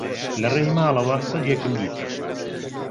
لە ڕێی ماڵەوەم سەگێکم دیت.